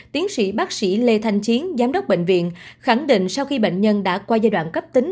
tiến sĩ bác sĩ lê thanh chiến giám đốc bệnh viện khẳng định sau khi bệnh nhân đã qua giai đoạn cấp tính